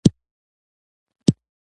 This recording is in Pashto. د قطبونو شاوخوا حیوانات ځانګړي دي.